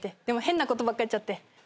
でも変なことばっか言っちゃって。